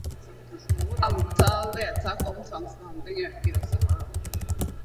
Antall vedtak om tvangsbehandling øker også.